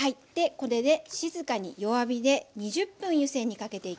これで静かに弱火で２０分湯煎にかけていきます。